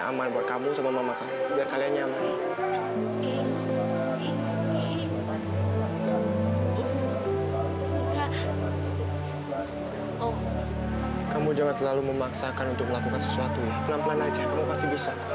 ambil ide ya kalau kamu sama aku terima ini